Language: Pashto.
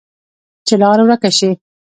چې لار ورکه شي،